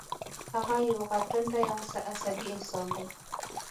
هغه یو غټ ټنډی او عصبي انسان دی